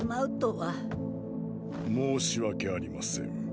申し訳ありません。